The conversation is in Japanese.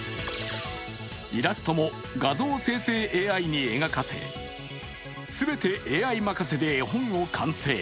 イラストも画像生成ＡＩに描かせ、全てＡＩ任せで絵本を完成。